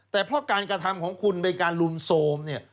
แต่เพราะการกระทำของคุณโดยการลุมโทรมเนี่ย